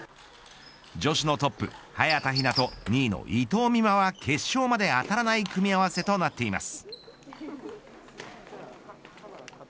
女子のトップ、早田ひなと２位の伊藤美誠は決勝まで当たらない組み合わせとなっています。